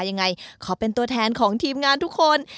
ยังไงขอเป็นตัวแทนของทีมงานทุกคน